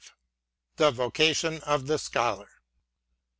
THE VOCATION OF THE SCHOLAR.